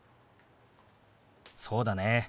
そうだね。